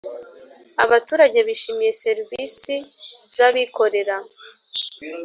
abaturage bishimiye serivisi z abikorera